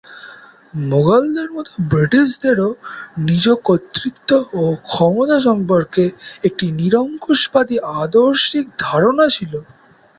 মুগলদের মতো ব্রিটিশদেরও নিজ কর্তৃত্ব ও ক্ষমতা সম্পর্কে একটি নিরঙ্কুশবাদী আদর্শিক ধারণা ছিল।